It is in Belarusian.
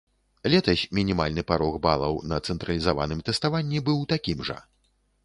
Летась мінімальны парог балаў на цэнтралізаваным тэставанні быў такім жа.